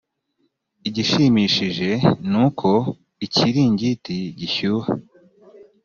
igishimishije ni uko ikiringiti gishyuha.